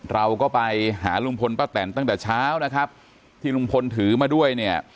เราก็ไปหาลุงพลป้าแตนตั้งแต่เช้านะครับที่ลุงพลถือมาด้วยเนี่ย